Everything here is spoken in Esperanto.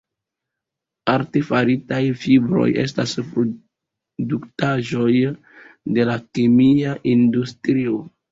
Artefaritaj fibroj estas produktaĵoj de la kemia industrio.